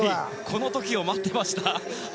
この時を待っていました。